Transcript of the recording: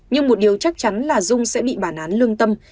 nhưng một điều chắc chắn là dung sẽ bị bản án lương tâm